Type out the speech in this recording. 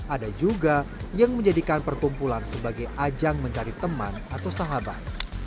ada juga yang menjadikan perkumpulan sebagai ajang mencari teman atau sahabat